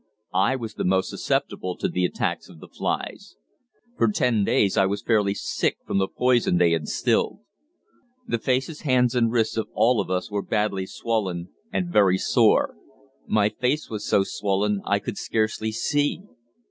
I was the most susceptible to the attacks of the flies; for ten days I was fairly sick from the poison they instilled. The faces, bands, and wrists of all of us were badly swollen and very sore. My face was so swollen I could scarcely see.